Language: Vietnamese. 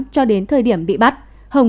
cho đến thời điểm bị bắt hồng